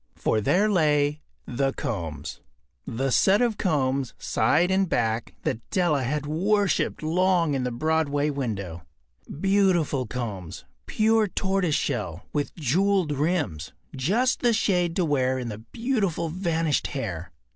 For there lay The Combs—the set of combs, side and back, that Della had worshipped long in a Broadway window. Beautiful combs, pure tortoise shell, with jewelled rims—just the shade to wear in the beautiful vanished hair.